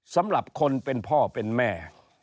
สำหรับคนเป็นพ่อเป็นแม่